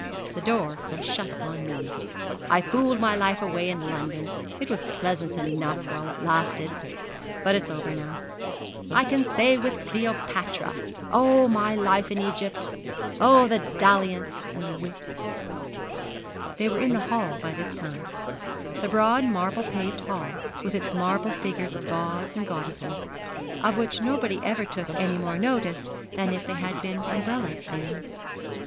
The door is shut upon me. I fooled my life away in London. It was pleasant enough while it lasted, but it's over now. I can say with Cleopatra "O my life in Egypt, O, the dalliance and the wit."' They were in the hall by this time. The broad marble paved hall, with its marble figures of gods and goddesses, of which nobody ever took any more notice than if they had been umbrella stands.